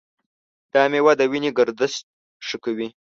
دا میوه د وینې گردش ښه کوي.